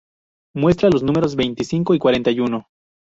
Muestra los números veinticinco y cuarenta y uno.